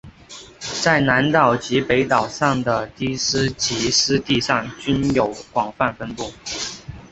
在南岛及北岛上的低地及湿地上均有广泛分布。